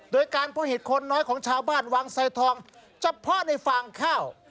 โดยการพบเห็ดคนน้อยของชาวบ้านวังไซทองเฉพาะในฟางข้าว